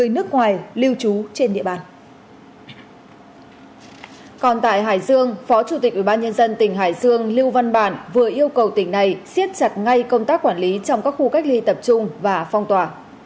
chủ tịch ubnd tỉnh hải dương lưu văn bản vừa yêu cầu tỉnh này siết chặt ngay công tác quản lý trong các khu cách ly tập trung và phong tỏa